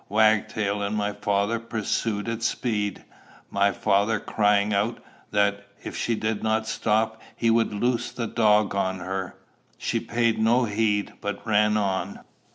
Wagtail and my father pursued at speed; my father crying out, that, if she did not stop, he would loose the dog on her. She paid no heed, but ran on.